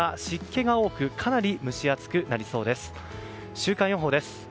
週間予報です。